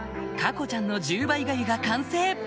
佳乎ちゃんの１０倍がゆが完成！